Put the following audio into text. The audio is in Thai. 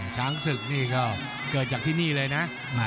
ช้างศึกนี่ก็เกิดจากที่นี่เลยนะ